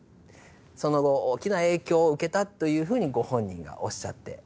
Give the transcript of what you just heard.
その後大きな影響を受けたというふうにご本人がおっしゃっておられるんですよ。